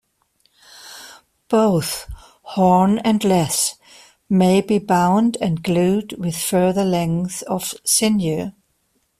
Both horn and laths may be bound and glued with further lengths of sinew.